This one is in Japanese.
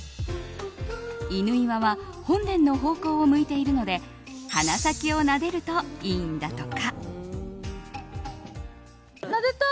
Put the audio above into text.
戌岩は本殿の方向を向いているので鼻先をなでるといいんだとか。